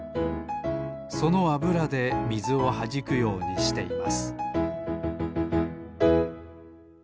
そのあぶらでみずをはじくようにしています